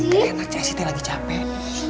gak enak sih cek esy lagi capek